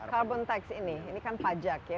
carbon tax ini ini kan pajak ya